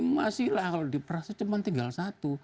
masih lah kalau diperasa cuman tinggal satu